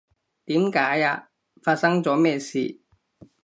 點解呀？發生咗咩事？